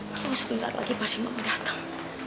harus semingat lagi pas mama datang